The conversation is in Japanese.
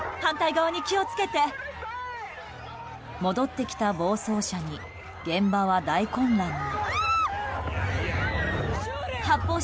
戻ってきた暴走車に現場は大混乱に。